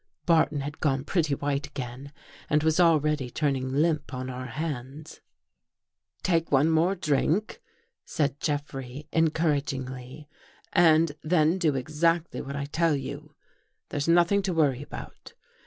Barton had gone pretty white again and was already turning limp on our hands. "Take one more drink," said Jeffrey encourag ingly, " and then do exactly what I tell you. There's nothing to worry about.